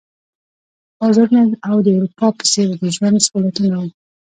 بازارونه او د اروپا په څېر د ژوند سهولتونه وو.